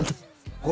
これ